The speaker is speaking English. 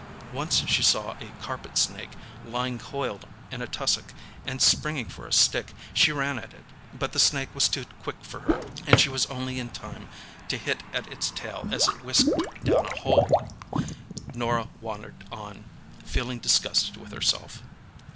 Once she saw a carpet snake lying coiled in a tussock and, springing for a stick, she ran at it, but the snake was too quick for her and she was only in time to hit at its tail as it whisked down a hole. Norah wandered on, feeling disgusted with herself.